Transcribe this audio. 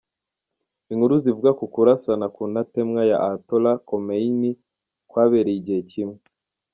Inkuru zivuga ko ukurasana ku ntatemwa ya Ayatollah Khomeini kwabereye igihe kimwe.